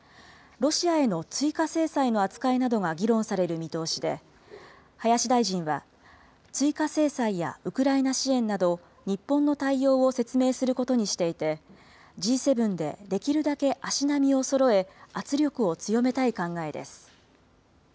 ロシアへの追加制裁の扱いなどが議論される見通しで、林大臣は、追加制裁やウクライナ支援など、日本の対応を説明することにしていて、Ｇ７でできるだけ足並みをそろえ、圧力を強めたい考えです。